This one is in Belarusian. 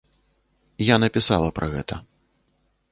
Я напісала пра гэта.